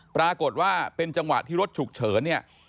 ปรากฏว่าเป็นจังหวะที่รถฉุกเฉินเนี่ย